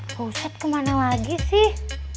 pak ustadz ke mana lagi sih